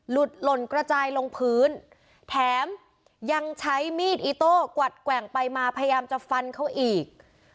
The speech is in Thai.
หล่นกระจายลงพื้นแถมยังใช้มีดอิโต้กวัดแกว่งไปมาพยายามจะฟันเขาอีก